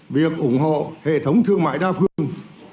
việc ủng hộ hệ thống thương mại đa phương